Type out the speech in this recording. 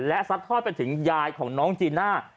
และซัดทอดไปถึงยายของน้องจีน่า